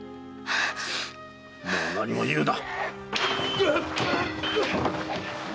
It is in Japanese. もう何も言うな。